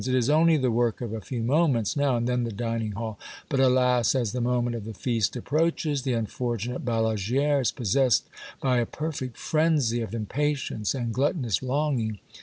It is only the work of a few moments now, and then the dining hall ! But, alas ! as the moment of the feast ap proaches, the unfortunate Balagu^re is possessed by a perfect frenzy of impatience and gluttonous longing.